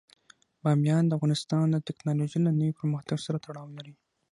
بامیان د افغانستان د تکنالوژۍ له نوي پرمختګ سره تړاو لري.